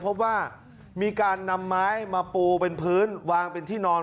พบว่ามีการนำไม้มาปูเป็นพื้นวางเป็นที่นอน